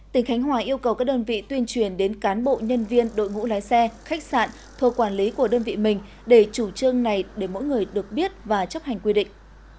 tỉnh khánh hòa yêu cầu các đơn vị tuyên truyền đến cán bộ nhân viên đội ngũ lái xe khách sạn thuộc quản lý của đơn vị mình để chủ trương này để mỗi người được biết và chấp hành quy định